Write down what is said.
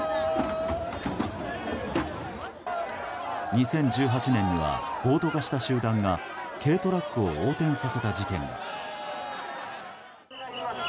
２０１８年には暴徒化した集団が軽トラックを横転させた事件が。